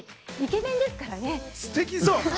イケメンですからね。